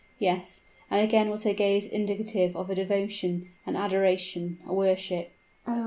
Yes: and again was her gaze indicative of a devotion, an adoration, a worship. "Oh!